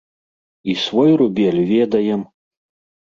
І свой рубель ведаем!